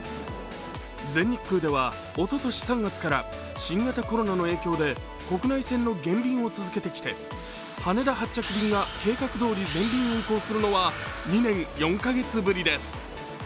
全日空では、おととし３月から新型コロナの影響で国内線の減便を続けてきて羽田発着便が計画どおり全便運航するのは２年４カ月ぶりです。